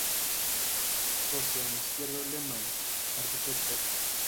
Socia en Izquierdo Lehmann Arquitectos.